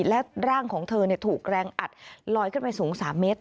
และร่างของเธอถูกแรงอัดลอยขึ้นไปสูง๓เมตร